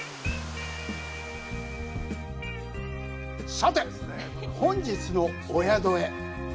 さて、本日のお宿へ。